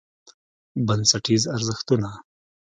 بنسټیز ارزښتونه: